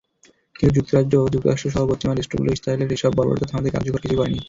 কিন্তু যুক্তরাজ্য, যুক্তরাষ্ট্রসহ পশ্চিমা রাষ্ট্রগুলো ইসরায়েলের এসব বর্বরতা থামাতে কার্যকর কিছুই করেনি।